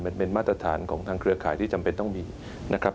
มันเป็นมาตรฐานของทางเครือข่ายที่จำเป็นต้องมีนะครับ